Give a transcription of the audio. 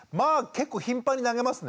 結構頻繁に投げますね。